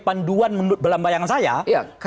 panduan belambayangan saya iya